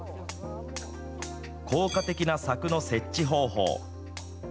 効果的な柵の設置方法。